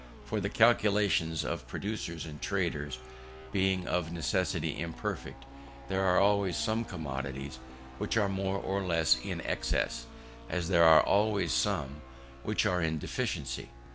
For, the calculations of producers and traders being of necessity imperfect, there are always some commodities which are more or less in excess, as there are always some which are in deficiency.